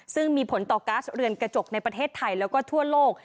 ซึ่งมีผลต่อก๊าซเรือนกระจกในประเทศไทยแล้วก็ทั่วโลก